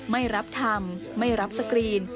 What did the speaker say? ไม่รับทำไม่รับสกรีน